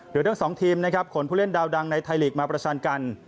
เดี๋ยวดังสองทีมขนผู้เล่นดาวดังในไทยหลีกมาประชันกัน